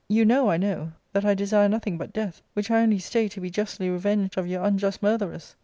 You know, I know, that I desire nothing but death, which I only stay to be justly revenged of your unjust murtherers."